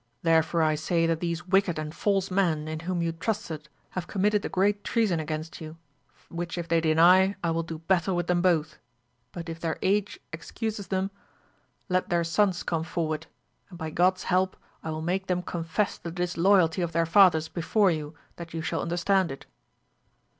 Therefore I say that these wicked and false men, in whom you trusted, have committed a great treason against you, which if they deny, I will do battle with them both ; but if their age excuses UO AMADIS OF GAUL. them, let their sons come forward, and by God's help I will make them confess the disloyalty of their fathers before you, that you shall understand it.